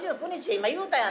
今言うたやんな。